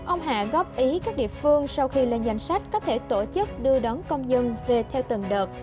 ông hạ góp ý các địa phương sau khi lên danh sách có thể tổ chức đưa đón công dân về theo từng đợt